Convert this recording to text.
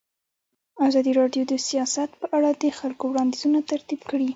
ازادي راډیو د سیاست په اړه د خلکو وړاندیزونه ترتیب کړي.